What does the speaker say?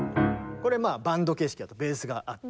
これバンド形式だとベースがあって。